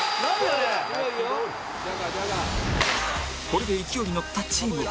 これで勢いに乗ったチームは